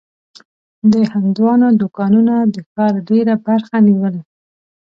د هندوانو دوکانونه د ښار ډېره برخه نیولې.